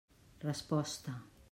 Resposta.